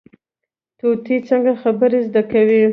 طوطي څنګه خبرې زده کوي؟